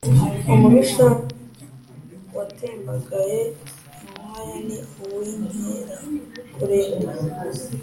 Umubisha watembagaye inkwaya ni uw’Inkerakulinda